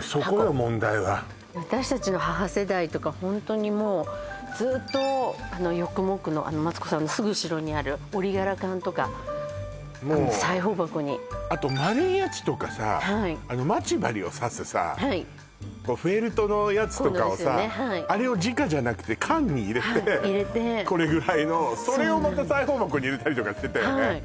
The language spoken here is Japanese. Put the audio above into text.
そこよ問題は私たちの母世代とかホントにもうずっとヨックモックのマツコさんのすぐ後ろにある織柄缶とか裁縫箱にあと丸いやつとかさ待ち針を刺すさフェルトのやつとかをさあれを直じゃなくて缶に入れて入れてこれぐらいのそれをまた裁縫箱に入れたりとかしてたよね